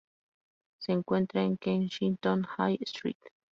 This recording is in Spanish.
Se encuentra en Kensington High Street.